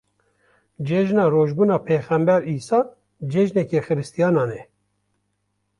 Cejina Rojbûna Pêxember Îsa cejineke xiristiyanan e.